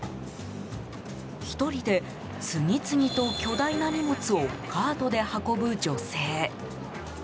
１人で、次々と巨大な荷物をカートで運ぶ女性。